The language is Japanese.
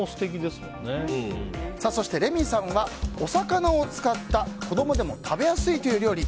そして、レミさんはお魚を使った子供でも食べやすいという料理